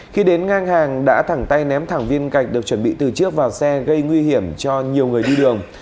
khi đến ngang hàng đã thẳng tay ném thẳng viên gạch được chuẩn bị từ trước vào xe gây nguy hiểm cho nhiều người đi đường